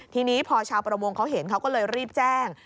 ทีนี้พอชาวประมงเขาเห็นเขาก็เลยรีบแจ้ง